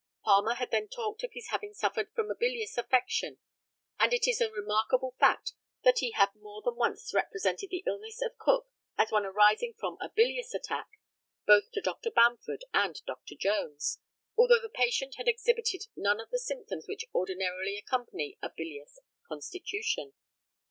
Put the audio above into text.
Palmer had then talked of his having suffered from a bilious affection; and it is a remarkable fact that he had more than once represented the illness of Cook as one arising from a bilious attack, both to Dr. Bamford and Dr. Jones, although the patient had exhibited none of the symptoms which ordinarily accompany a bilious constitution.